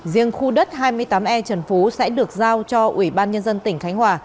riêng khu đất hai mươi tám e trần phú sẽ được giao cho ủy ban nhân dân tỉnh khánh hòa